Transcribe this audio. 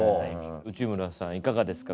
内村さん、いかがですか？